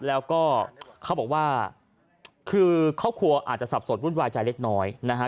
แล้วก็เขาบอกว่าคือครอบครัวอาจจะสับสนวุ่นวายใจเล็กน้อยนะฮะ